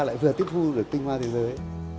lại vừa tiếp thu được tinh hoa thế giới